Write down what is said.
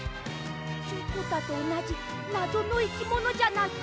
チョコタとおなじなぞのいきものじゃないか。